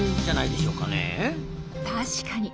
確かに。